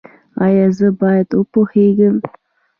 ایا زه باید وپوهیږم؟